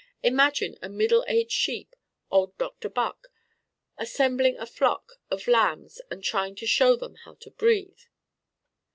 Imagine a middle aged sheep old Dr. Buck assembling a flock of lambs and trying to show them how to breathe!"